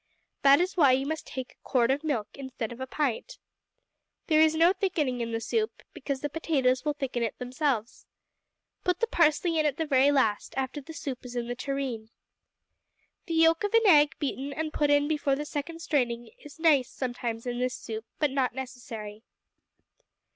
This is why you must take a quart of milk instead of a pint. There is no thickening in the soup, because the potatoes will thicken it themselves. Put the parsley in at the very last, after the soup is in the tureen. The yolk of an egg beaten and put in before the second straining is nice sometimes in this soup, but not necessary.